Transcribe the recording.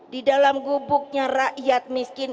di dalam gubuknya rakyat miskin